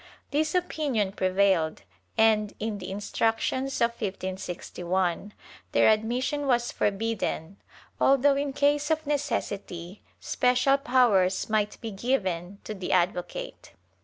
This opinion prevailed and, in the Instructions of 1561, their admission was forbidden, although in case of necessity, special powers might be given to the advocate.